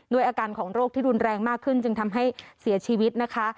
อาการของโรคที่รุนแรงมากขึ้นจึงทำให้เสียชีวิตนะคะ